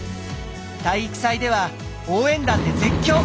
体育祭では応援団で絶叫！